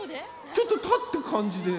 ちょっとたったかんじで。